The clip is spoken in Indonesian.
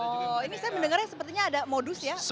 oh ini saya mendengarnya sepertinya ada modus ya